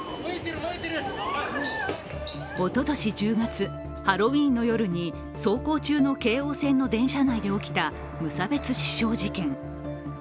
おととし１０月、ハロウィーンの夜に走行中の京王線の電車内で起きた無差別刺傷事件。